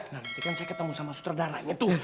nah nanti kan saya ketemu sama sutradaranya tuh